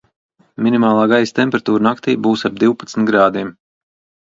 Minimālā gaisa temperatūra naktī būs ap divpadsmit grādiem.